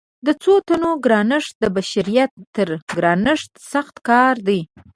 د څو تنو ګرانښت د بشریت تر ګرانښت سخت کار دی.